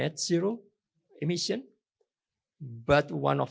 untuk emisi net zero